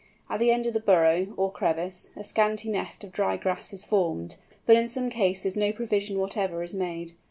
At the end of the burrow, or crevice, a scanty nest of dry grass is formed, but in some cases no provision whatever is made.